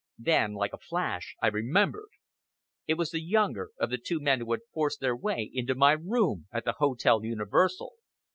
Then, like a flash, I remembered. It was the younger of the two men who had forced their way into my room at the Hotel Universal.